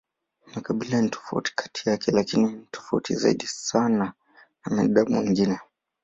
Makabila ni tofauti kati yake, lakini ni tofauti zaidi sana na binadamu wengine.